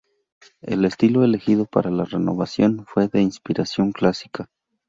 El estilo elegido para la renovación, fue de inspiración clásica.